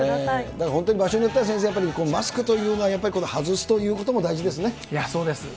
だから本当に場所によっては、先生、やっぱりマスクというのはやっぱり外すということも大事でそうです。